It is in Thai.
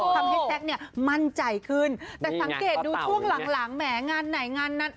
แซ็กเนี่ยมั่นใจขึ้นแต่สังเกตดูช่วงหลังแหมงานไหนงานนั้น